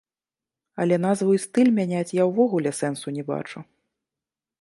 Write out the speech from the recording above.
Але назву і стыль мяняць я ўвогуле сэнсу не бачу.